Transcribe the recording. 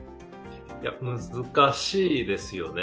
難しいですよね、